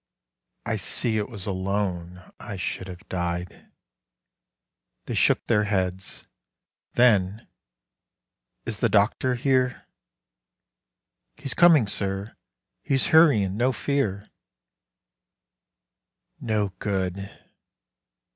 "I see it was alone I should have died." They shook their heads. Then, "Is the doctor here?" "He's coming, sir; he's hurryin', no fear." "No good....